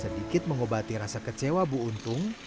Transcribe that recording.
sedikit mengobati rasa kecewa bu untung